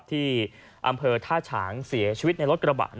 ที่อำเภอท่าฉางเสียชีวิตในรถกระบะ